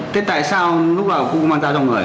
thế tại sao lúc nào cũng mang dao trong người à